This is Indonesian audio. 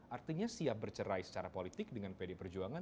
artinya siap bercerai secara politik dengan pd perjuangan